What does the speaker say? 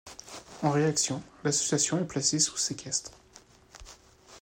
En réaction, l'association est placée sous séquestre.